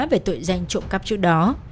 về tội danh trộm cắp trước đó